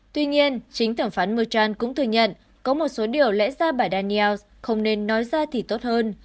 tuy nhiên chính thẩm phán murchal cũng thừa nhận có một số điều lẽ ra bài daniels không nên nói ra thì tốt hơn